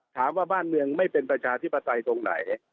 บ้านเมืองไม่เป็นประชาธิปไตยตรงไหน